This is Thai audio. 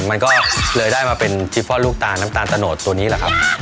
มันก็เลยได้มาเป็นจิพ่อลูกตาลน้ำตาลตะโนดตัวนี้แหละครับ